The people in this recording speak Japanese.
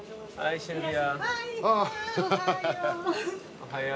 おはよう。